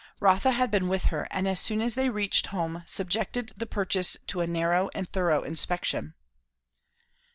Rotha had been with her, and as soon as they reached home subjected the purchase to a narrow and thorough inspection.